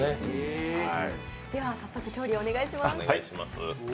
早速、調理をお願いします。